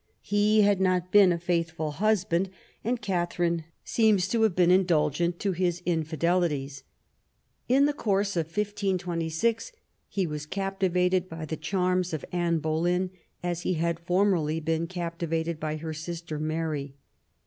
He had not been a faithful husband, and Katharine seems to have been indulgent to his inff delitiea In the course of 1626 he was captivated by the charms of Anne Boleyn, as he had formerly been captivated by her sister Mary.